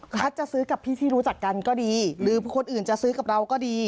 จะซื้อกับพี่ที่รู้จักกันก็ดีหรือคนอื่นจะซื้อกับเราก็ดี